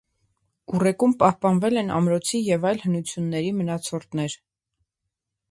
Ուռեկում պահպանվել են ամրոցի և այլ հնությունների մնացորդներ։